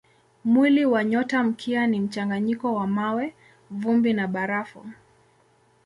Mwili wa nyotamkia ni mchanganyiko wa mawe, vumbi na barafu.